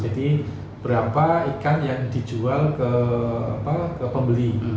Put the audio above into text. jadi berapa ikan yang dijual ke pembeli